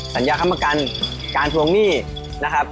สัญญาค้ำประกันการทวงหนี้นะครับ